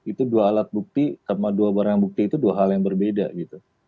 itu dua alat bukti sama dua barang bukti itu dua hal yang berbeda gitu